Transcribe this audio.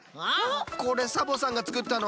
これサボさんが作ったの？